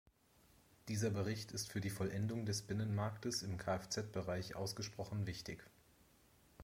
Dieser Bericht ist für die Vollendung des Binnenmarktes im Kfz-Bereich ausgesprochen wichtig.